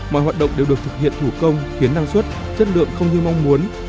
mọi hoạt động đều được thực hiện thủ công khiến năng suất chất lượng không như mong muốn